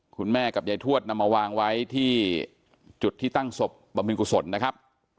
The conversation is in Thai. คุณแม่กับใยทวชนำมาวางไว้ที่จุดที่ตั้งศพประมิงกุศลนะครับ